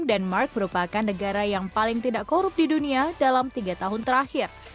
denmark merupakan negara yang paling tidak korup di dunia dalam tiga tahun terakhir